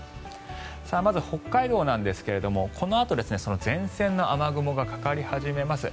まず北海道なんですがこのあと前線の雨雲がかかり始めます。